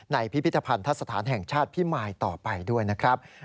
พิพิธภัณฑสถานแห่งชาติพิมายต่อไปด้วยนะครับ